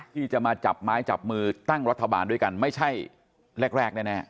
ที่จะมาจับไม้จับมือตั้งรัฐบาลด้วยกันไม่ใช่แรกแน่